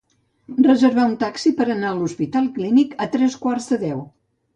Reservar un taxi per anar a l'Hospital Clínic a tres quarts de deu.